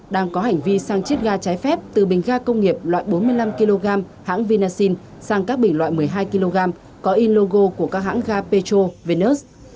đang có hành vi sang chiết ga trái phép từ bình ga công nghiệp loại bốn mươi năm kg hãng vinasin sang các bình loại một mươi hai kg có in logo của các hãng ga petro vennus